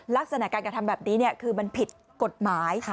ลักษณะการกระทำแบบนี้คือมันผิดกฎหมาย